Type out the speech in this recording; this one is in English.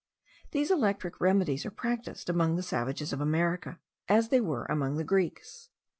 These electric remedies are practised among the savages of America, as they were among the Greeks.